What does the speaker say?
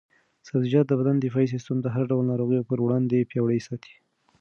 سبزیجات د بدن دفاعي سیسټم د هر ډول ناروغیو پر وړاندې پیاوړی ساتي.